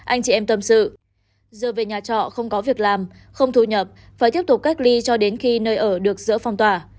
anh chị em tâm sự giờ về nhà trọ không có việc làm không thu nhập phải tiếp tục cách ly cho đến khi nơi ở được dỡ phòng tòa